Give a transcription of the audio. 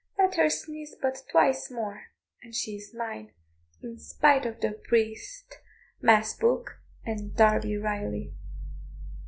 Let her sneeze but twice more, and she is mine, in spite of priest, mass book, and Darby Riley."